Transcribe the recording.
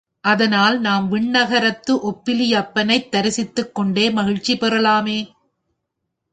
ஆதலால் நாம் விண்ணகரத்து ஒப்பிலியப்பனைத் தரிசித்துக் கொண்டே மகிழ்ச்சி பெறலாமே.